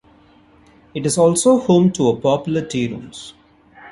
It is also home to a popular Tea Rooms.